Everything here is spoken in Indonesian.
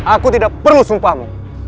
aku tidak perlu sumpahmu